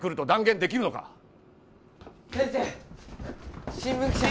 先生新聞記者が。